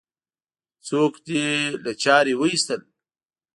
څوک دې له چارې وایستل؟